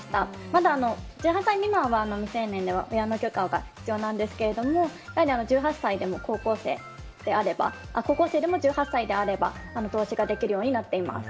まだ、１８歳未満、未成年では親の許可が必要なんですが高校生でも１８歳であれば投資ができるようになっています。